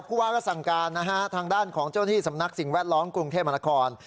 ผู้ว่าก็สั่งการนะฮะทางด้านของเจ้าหน้าที่สำนักสิ่งแวดล้อมกรุงเทพมนาคม